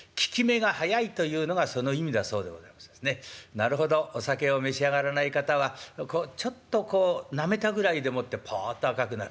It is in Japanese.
なるほどお酒を召し上がらない方はちょっとこうなめたぐらいでもってポッと赤くなる。